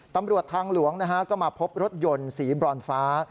ตำรวจทางหลวงก็มาพบรถยนต์สีบรอนฟ้า